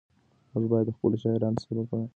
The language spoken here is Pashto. موږ باید د خپلو شاعرانو سبکونه وپېژنو.